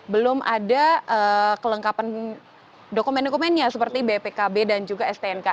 belum ada kelengkapan dokumen dokumennya seperti bpkb dan juga stnk